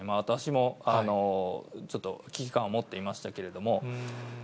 私もちょっと危機感を持っていましたけれども。